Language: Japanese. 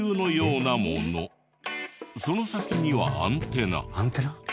その先にはアンテナ。